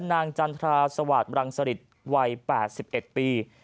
นางจันทราสวาสตร์บรังสฤษวัย๘๑ปี